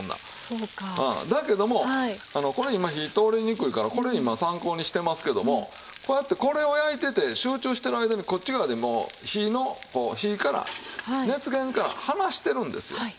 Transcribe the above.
うんだけどもこれ今火通りにくいからこれ今参考にしてますけどもこうやってこれを焼いてて集中してる間にこっち側もう火の火から熱源から離してるんですよ。